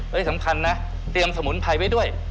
ที่สำคัญนะเตรียมสมุนไพรไว้ด้วย